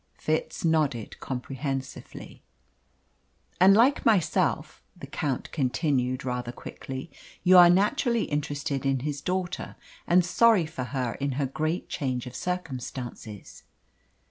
Fitz nodded comprehensively. "And, like myself," the Count continued, rather quickly, "you are naturally interested in his daughter, and sorry for her in her great change of circumstances.